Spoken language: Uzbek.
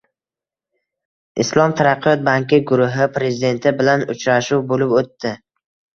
Islom taraqqiyot banki Guruhi Prezidenti bilan uchrashuv bo‘lib o‘tdi